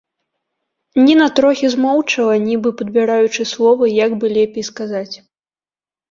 Ніна трохі змоўчала, нібы падбіраючы словы, як бы лепей сказаць.